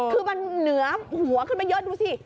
คือมันเหนือหัวขึ้นมาเยอะดูสิ